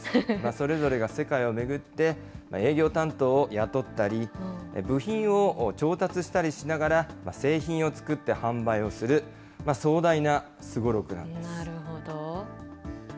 それぞれが世界を巡って、営業担当を雇ったり、部品を調達したりしながら製品を作って販売をする、壮大なすごろなるほど。